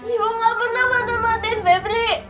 ibu gak pernah mata matain febri